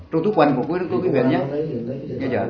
trong túi quần của quý vị nhé